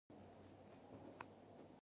د ښې نڅا د خوند په شان دی.